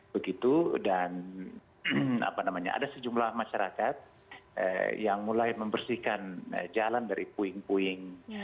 begitu dan ada sejumlah masyarakat yang mulai membersihkan jalan dari puing puing